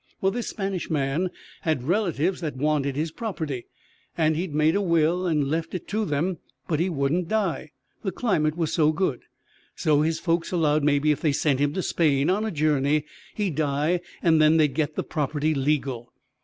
Well, this Spanish man had relatives that wanted his property, and he'd made a will and left it to them; but he wouldn't die, the climate was so good. So his folks allowed maybe if they sent him to Spain on a journey he'd die and then they'd get the property legal.